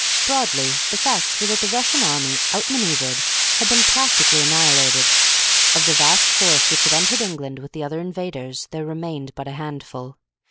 Broadly, the facts were that the Russian army, outmanoeuvered, had been practically annihilated. Of the vast force which had entered England with the other invaders there remained but a handful.